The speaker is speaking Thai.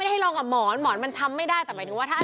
คือตอนตียายหนุนาเราก็ไม่รู้ว่า